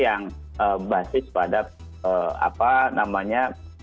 yang basis pada apa namanya